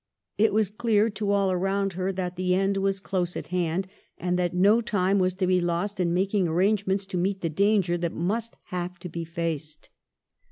It was clear to all around her that the end was close at hand, and that no time was to be lost in making arrangements to meet the danger that must have to be faced.